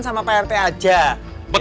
katanya ini tuh mau disimpan